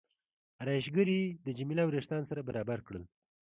ارایشګرې د جميله وریښتان سره برابر کړل.